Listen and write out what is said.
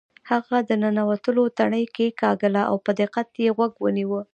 هغه د ننوتلو تڼۍ کیکاږله او په دقت یې غوږ ونیو